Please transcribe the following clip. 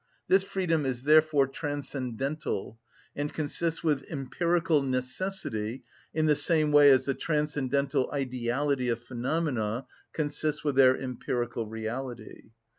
This freedom is therefore transcendental, and consists with empirical necessity, in the same way as the transcendental ideality of phenomena consists with their empirical reality.